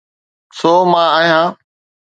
سو مان آهيان.